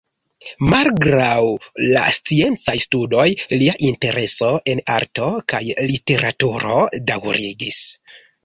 Malgraŭ la sciencaj studoj, lia intereso en arto kaj literaturo daŭrigis.